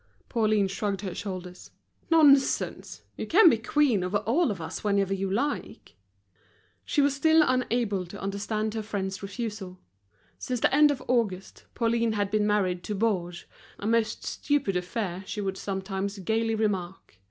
Pauline shrugged her shoulders. "Nonsense, you can be queen over all of us whenever you like." She was still unable to understand her friend's refusal. Since the end of August, Pauline bad been married to Baugé, a most stupid affair, she would sometimes gaily remark.